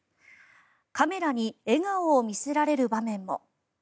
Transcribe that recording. カメラに笑顔を見せられる場面も。